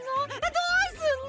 どうすんの？